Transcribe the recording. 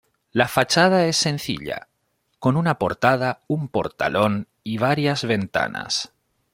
La fachada es sencilla, con una portada, un portalón y varias ventanas.